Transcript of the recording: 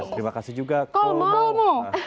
terima kasih juga kolmomo